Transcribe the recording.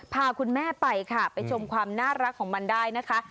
พาคุณแม่ไปค่ะไปชมความน่ารักของมันได้นะคะ